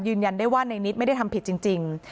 ยืนยันได้ว่าในนิดไม่ได้ทำผิดจริง